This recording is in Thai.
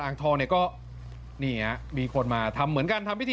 ทองเนี่ยก็นี่ฮะมีคนมาทำเหมือนกันทำพิธี